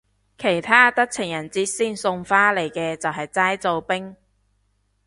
其他得情人節先送花嚟嘅就係齋做兵